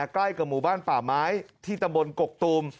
ใกล้กับหมู่บ้านป่าไม้ที่ตำบลกกตูม